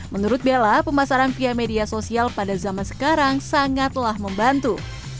menurut bella pemasaran via media sosial pada zaman sekarang sangatlah membantu